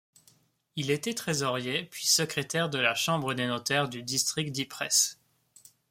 Il était trésorier puis secrétaire de la Chambre des notaires du district d'Ypres.